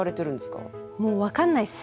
もう分かんないっす。